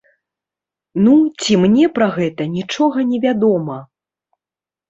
Ну, ці мне пра гэта нічога не вядома.